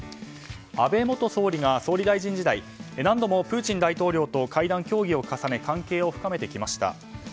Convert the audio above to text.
安倍元総理が総理大臣時代何度もプーチン大統領と会談・協議を重ね関係を深めてきました。